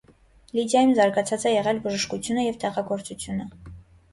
Լիդիայում զարգացած է եղել բժշկությունը և դեղագործությունը։